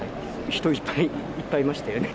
人いっぱいいましたよね。